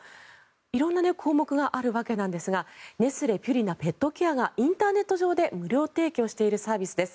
色んな項目があるわけなんですがネスレピュリナペットケアがインターネット上で無料提供しているサービスです。